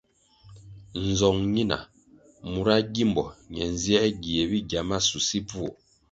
Nzong nina mura gímbo ne nzier gie bigya masusi bvuo.